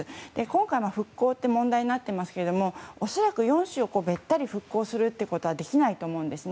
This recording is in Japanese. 今回、復興という問題になっていますがおそらく４州をべったり復興することはできないと思います。